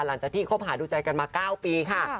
หลังจากที่คบหาดูใจกันมา๙ปีค่ะ